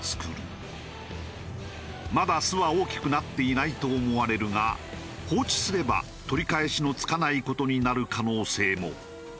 まだ巣は大きくなっていないと思われるが放置すれば取り返しのつかない事になる可能性も。